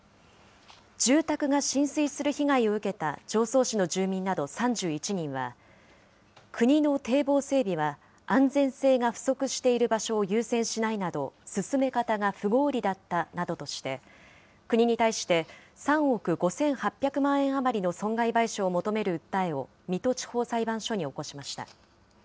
住宅が浸水する被害を受けた常総市の住民など３１人は、国の堤防整備は安全性が不足している場所を優先しないなど、進め方が不合理だったなどとして、国に対して３億５８００万円余りの損害賠償を求める訴えを水戸地方裁判所に起こしました。